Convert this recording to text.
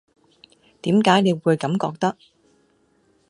點解你會咁覺得